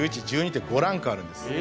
８、９、１０、１１、１２って５ランクあるんです。